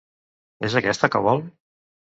És aquesta que vol?